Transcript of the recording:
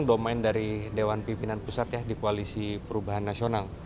domain dari dewan pimpinan pusat ya di koalisi perubahan nasional